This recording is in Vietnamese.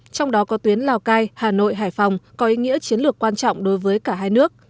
trong đó có tuyến lào cai hà nội hải phòng có ý nghĩa chiến lược quan trọng đối với cả hai nước